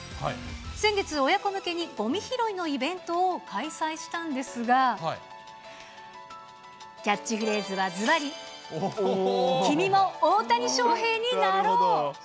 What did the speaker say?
先月、親子向けにごみ拾いのイベントを開催したんですが、キャッチフレーズはずばり、君も大谷翔平になろう！